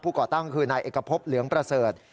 ก่อตั้งคือนายเอกพบเหลืองประเสริฐ